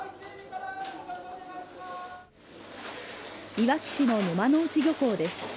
いわき市の沼ノ内漁港です。